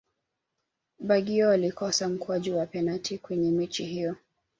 baggio alikosa mkwaju wa penati kwenye mechi hiyo